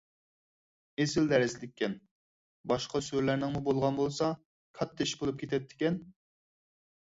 ئېسىل دەرسلىككەن. باشقا سۈرىلەرنىڭمۇ بولغان بولسا كاتتا ئىش بولۇپ كېتەتتىكەن!